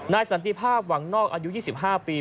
สันติภาพหวังนอกอายุ๒๕ปี